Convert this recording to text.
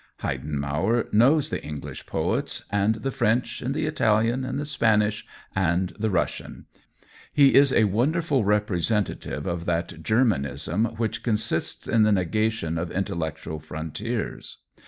Heidenmauer knows the English poets, and the French, and the Italian, and the Spanish, and the Russian ; he is a wonderful representative I06 COLLABORATION of that Germanism which consists in the negation of intellectual frontiers.